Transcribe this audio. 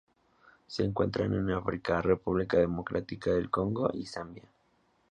Se encuentran en África: República Democrática del Congo y Zambia.